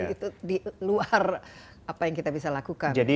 itu di luar apa yang kita bisa lakukan